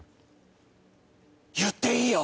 言っていいよ。